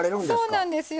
そうなんですよ。